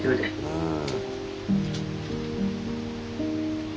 うん。